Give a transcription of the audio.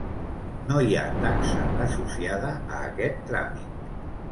No hi ha taxa associada a aquest tràmit.